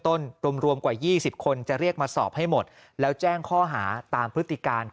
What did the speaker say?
รวมกว่า๒๐คนจะเรียกมาสอบให้หมดแล้วแจ้งข้อหาตามพฤติการ